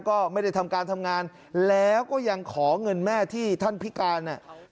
ก็ไม่ได้ทำการทำงานแล้วก็ยังขอเงินแม่ที่ท่านพิการ